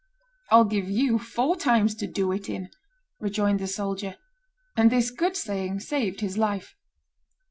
"I'll give you four times to do it in," rejoined the soldier. And this good saying saved his life.